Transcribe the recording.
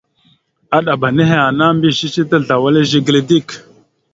Aɗaba nehe ana mbiyez cici tazlawal e zigəla dik.